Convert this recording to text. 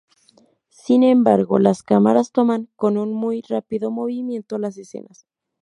Sin embargo, las cámaras toman con un muy rápido movimiento las escenas.